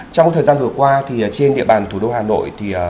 trong thời gian vừa qua trên địa bàn thủ đô hà nội